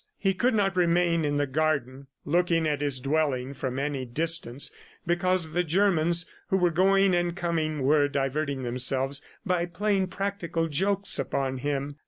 He could not remain in the garden looking at his dwelling from any distance, because the Germans who were going and coming were diverting themselves by playing practical jokes upon him.